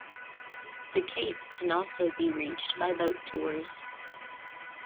The cape can also be reached by boat tours.